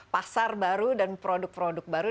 pasar baru dan produk produk baru